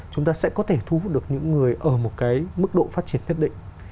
chúng ta sẽ có thể thu hút được những người ở một cái mức độ phát triển nhất định